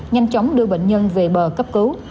nhanh chóng đưa bệnh nhân về bờ cấp cứu